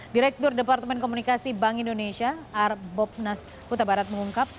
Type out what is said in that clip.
direktur departemen komunikasi bank indonesia arbobnas putabarat mengungkap